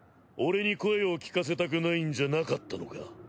俺に声を聞かせたくないんじゃなかったのか？